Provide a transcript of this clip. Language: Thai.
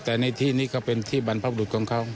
แต่ในที่นี้ก็เป็นที่บรรพบรุษของเขา